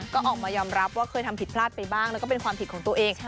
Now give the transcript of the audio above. ก็ออกมายอมรับว่าเคยทำผิดพลาดไปบ้างแล้วก็เป็นความผิดของตัวเอง